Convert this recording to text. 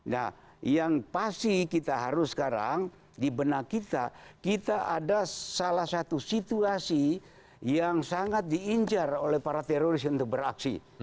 nah yang pasti kita harus sekarang di benak kita kita ada salah satu situasi yang sangat diinjar oleh para teroris untuk beraksi